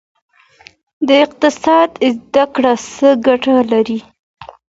د اقتصاد زده کړه څه ګټه لري؟